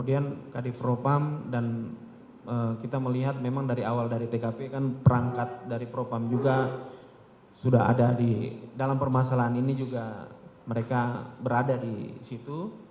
dan kadif pro pam dan kita melihat memang dari awal dari tkp kan perangkat dari pro pam juga sudah ada di dalam permasalahan ini juga mereka berada di situ